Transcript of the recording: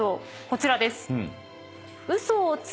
こちらです。